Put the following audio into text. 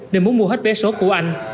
nên muốn mua hết vé số của anh